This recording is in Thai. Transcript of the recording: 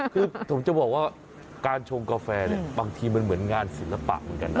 คือผมจะบอกว่าการชงกาแฟเนี่ยบางทีมันเหมือนงานศิลปะเหมือนกันนะ